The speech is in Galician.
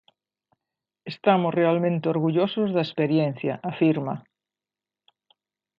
Estamos realmente orgullosos da experiencia, afirma.